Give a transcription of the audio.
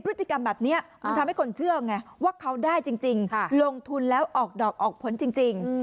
พฤติกรรมแบบนี้มันทำให้คนเชื่อไงว่าเขาได้จริงลงทุนแล้วออกดอกออกผลจริง